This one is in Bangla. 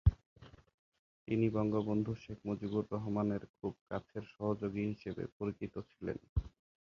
তিনি বঙ্গবন্ধু শেখ মুজিবুর রহমান এর খুব কাছের সহযোগী হিসেবে পরিচিত ছিলেন।